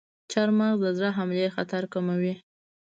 چارمغز د زړه حملې خطر کموي.